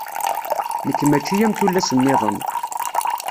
Nekk mačči am tullas-niḍen.